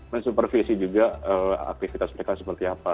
mensupervisi juga aktivitas mereka seperti apa